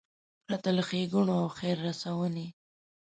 پرته له ښېګړو او خیر رسونې.